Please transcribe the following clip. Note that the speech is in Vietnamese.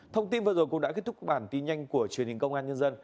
thông tin vừa rồi cũng đã kết thúc bản tin nhanh của truyền hình công an nhân dân